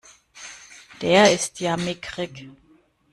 Der ist ja mickrig!